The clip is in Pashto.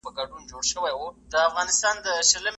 ښه دی چي جواب له خپله ځانه سره یو سمه